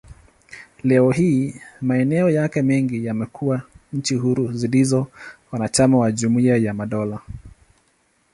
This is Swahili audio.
Leo hii, maeneo yake mengi yamekuwa nchi huru zilizo wanachama wa Jumuiya ya Madola.